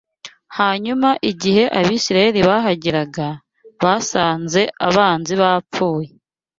Hanyuma igihe Abisirayeli bahageraga, basanze abanzi bapfuye